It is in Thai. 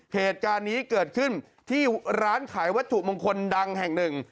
เหตุการณ์นี้เกิดขึ้นที่ร้านขายวัตถุมงคลดังแห่งหนึ่ง